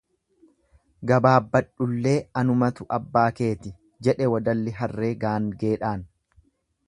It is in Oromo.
Gabaabbadhullee anumatu abbaa keeti, jedhe wadalli harree gaangeedhaan.